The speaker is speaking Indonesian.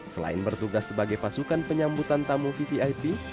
selain bertugas sebagai pasukan penyambutan tamu vvip